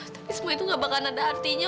tapi semua itu gak bakal ada artinya